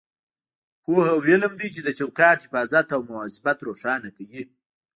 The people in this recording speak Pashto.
پوهه او علم دی چې د چوکاټ حفاظت او مواظبت روښانه کوي.